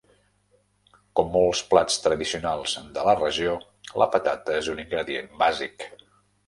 Com molts plats tradicionals de la regió, la patata és un ingredient bàsic.